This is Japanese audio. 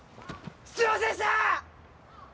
すいませんでした！